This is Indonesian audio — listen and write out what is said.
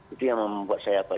itu yang membuat saya apa